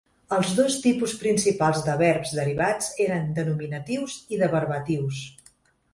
Els dos tipus principals de verbs derivats eren denominatius i deverbatius.